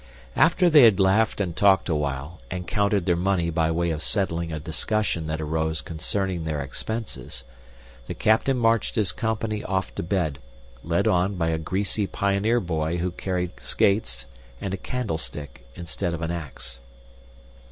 After they had laughed and talked awhile, and counted their money by way of settling a discussion that arose concerning their expenses, the captain marched his company off to bed, led on by a greasy pioneer boy who carried skates and a candlestick instead of an ax.